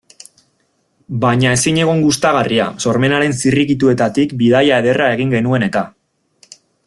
Baina ezinegon gustagarria, sormenaren zirrikituetatik bidaia ederra egin genuen eta.